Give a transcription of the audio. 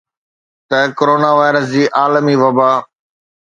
ته corona virus جي عالمي وبا